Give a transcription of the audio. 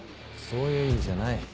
そういう意味じゃない。